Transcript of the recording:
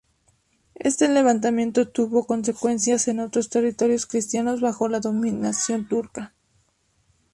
Este levantamiento tuvo consecuencias en otros territorios cristianos bajo la dominación turca.